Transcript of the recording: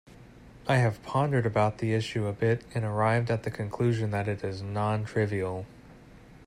I have pondered about the issue a bit and arrived at the conclusion that it is non-trivial.